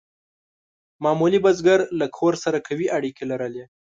معمولي بزګر له کور سره قوي اړیکې لرلې.